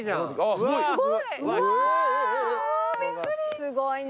すごいね。